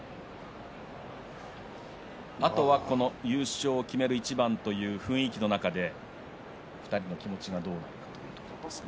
あとは優勝を決める一番という雰囲気の中で２人の気持ちがどうなのかというところですね。